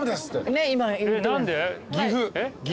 何で？